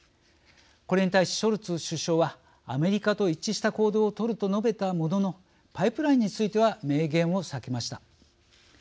これに対し、ショルツ首相はアメリカと一致した行動を取ると述べたもののパイプラインについては明言を避けました。